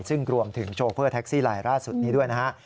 ซึ่งรวมถึงโชเฟอร์แท็กซี่ลายล่าสุดนี้ด้วยนะฮะ